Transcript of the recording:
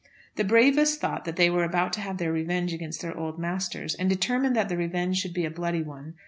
The bravest thought that they were about to have their revenge against their old masters, and determined that the revenge should be a bloody one.